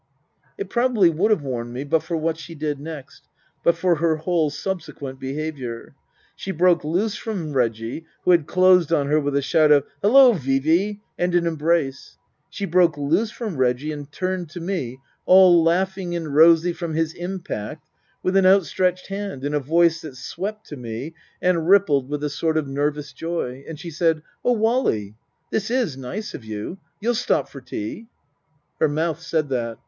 It probably would have warned me but for what she did next ; but for her whole subsequent behaviour. She broke loose from Reggie, who had closed on her with a shout of " Hallo, Vee Vee !" and an embrace ; she broke loose from Reggie and turned to me, all laugh ing and rosy from his impact, with an outstretched hand and a voice that swept to me and rippled with a sort of nervous joy. And she said :" Oh, Wally, this is nice of you ! You'll stop for tea." Her mouth said that.